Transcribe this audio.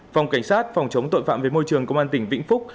phòng cảnh sát phòng chống tội phạm về môi trường công an tỉnh vĩnh phúc